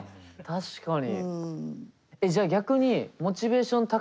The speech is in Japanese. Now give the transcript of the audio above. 確かに。